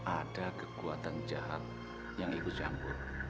ada kekuatan jahat yang ikut campur